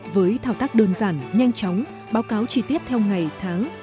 với thao tác đơn giản nhanh chóng báo cáo chi tiết theo ngày tháng